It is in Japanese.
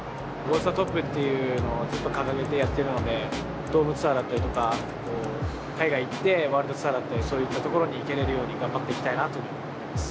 ＧｏｔｏｔｈｅＴＯＰっていうのをずっと掲げてやってるのでドームツアーだったりとか海外行ってワールドツアーだったりそういったところに行けれるように頑張っていきたいなと思います。